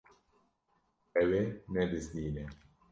Ew ê nebizdîne.